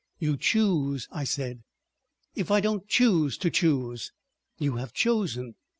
"You choose," I said. "If I don't choose to choose?" "You have chosen."